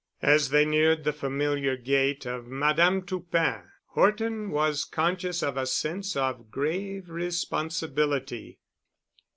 As they neared the familiar gate of Madame Toupin, Horton was conscious of a sense of grave responsibility.